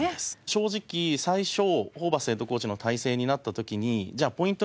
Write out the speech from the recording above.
正直最初ホーバスヘッドコーチの体制になった時にじゃあポイント